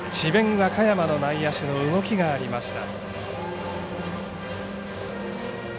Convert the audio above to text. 和歌山の内野手の動きがありました。